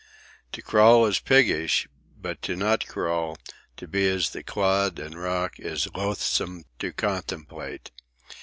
To crawl is piggish; but to not crawl, to be as the clod and rock, is loathsome to contemplate.